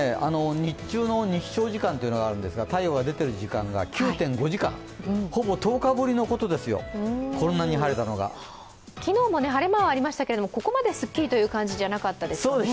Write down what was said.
日中の日照時間というのがあるんですが、太陽が出ている時間が９．５時間、ほぼ１０日ぶりのことですよ、昨日も晴れ間はありましたけれども、ここまですっきりという感じじゃなかったですよね。